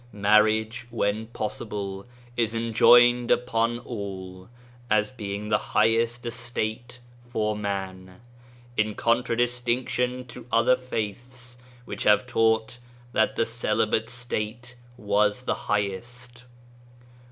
Marriage when pos sible, is enjoined upon all, as being the highest estate for man — in contradistinction to other faiths which have taught that the celibate state was the highest.